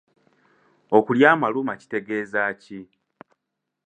Okulya amaluma kitegeeza ki?